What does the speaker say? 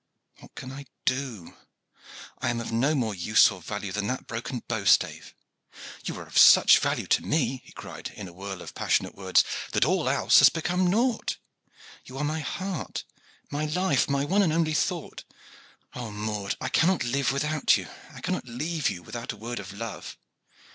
What can I do? I am of no more use or value than that broken bowstave." "You are of such value to me," he cried, in a whirl of hot, passionate words, "that all else has become nought. You are my heart, my life, my one and only thought. Oh, Maude, I cannot live without you, I cannot leave you without a word of love.